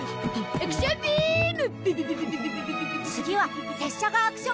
アクションビーム！